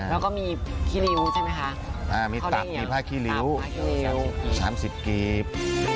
แล้วก็มีขี้ริ้วใช่ไหมคะเข้าได้อย่างขี้ริ้วชามสิทธิ์กรีบ